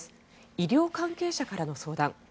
医療関係者からの相談。